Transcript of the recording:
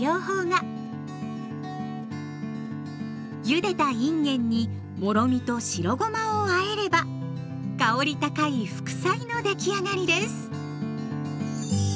ゆでたいんげんにもろみと白ごまをあえれば香り高い副菜のできあがりです。